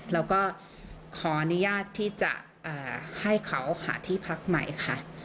แล้วก็ขออนุญาตที่จะให้เขาหาที่พักใหม่ค่ะ